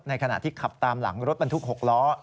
ขณะที่ขับตามหลังรถบรรทุก๖ล้อ